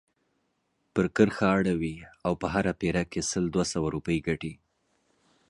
پر کرښه اړوي او په هره پيره کې سل دوه سوه روپۍ ګټي.